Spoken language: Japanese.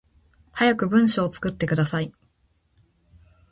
早く文章作ってください